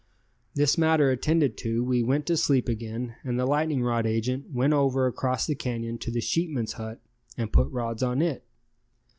This matter attended to, we went to sleep again and the lightning rod agent went over across the canyon to the sheepmen's hut and put rods on it.